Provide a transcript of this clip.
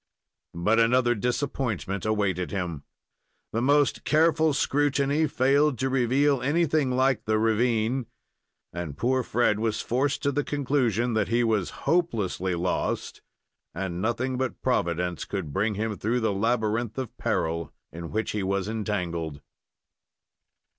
But another disappointment awaited him. The most careful scrutiny failed to reveal anything like the ravine, and poor Fred was forced to the conclusion that he was hopelessly lost, and nothing but Providence could bring him through the labyrinth of peril in which he was entangled.